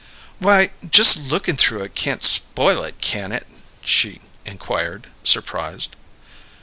"Why, just lookin' through it can't spoil it, can it?" she inquired, surprised.